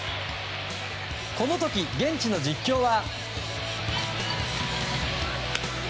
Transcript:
この時、現地の実況は。